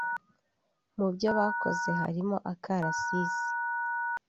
Mu byo bakoze harimo akarasisi